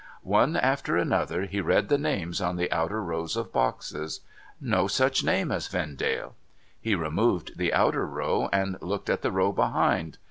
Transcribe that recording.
One after another, he read the names on the outer rows of boxes. No such name as Vendale ! He removed the outer row, and looked at the row behind.